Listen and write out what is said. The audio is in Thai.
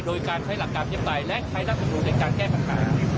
โดยการใช้หลักการพิปัยและใช้รัฐมนุนในการแก้ปัญหา